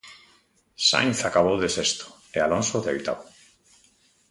Sainz acabou de sexto, e Alonso de oitavo.